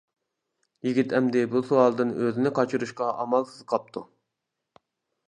يىگىت ئەمدى بۇ سوئالدىن ئۆزىنى قاچۇرۇشقا ئامالسىز قاپتۇ.